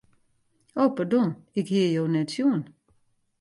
O pardon, ik hie jo net sjoen.